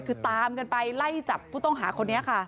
คือตามกันไปไล่จับผู้ต้องหาคนนี้ค่ะ